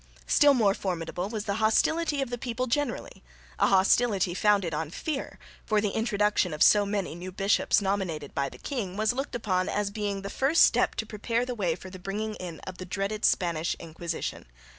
Still more formidable was the hostility of the people generally, a hostility founded on fear, for the introduction of so many new bishops nominated by the king was looked upon as being the first step to prepare the way for the bringing in of the dreaded Spanish Inquisition.